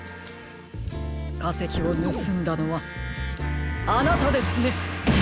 かせきをぬすんだのはあなたですね！